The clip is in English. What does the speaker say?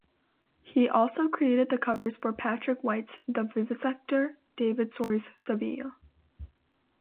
He also created the covers for Patrick White's "The Vivisector", David Storey's "Saville".